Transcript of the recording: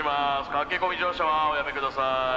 駆け込み乗車はおやめください。